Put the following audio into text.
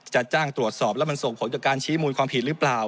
จะจ้างตรวจสอบแล้วมันส่งผลต่อการชี้มูลความผิดหรือเปล่า